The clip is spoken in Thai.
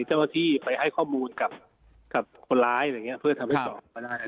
เจ้าหน้าที่ไปให้ข้อมูลกับคนร้ายอะไรอย่างนี้เพื่อทำให้สอบก็ได้